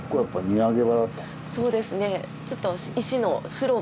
そうですね。